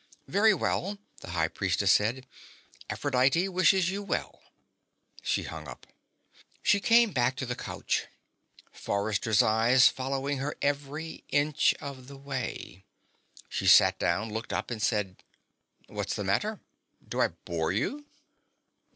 "Very well," the High Priestess said. "Aphrodite wishes you well." She hung up. She came back to the couch, Forrester's eyes following her every inch of the way. She sat down, looked up and said: "What's the matter? Do I bore you?"